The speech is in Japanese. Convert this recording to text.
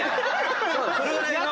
それぐらいな。